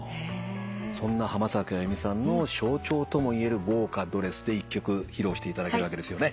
そんな浜崎あゆみさんの象徴ともいえる豪華ドレスで１曲披露していただけるわけですよね。